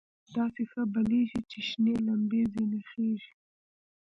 داسې ښه بلېږي چې شنې لمبې ځنې خېژي.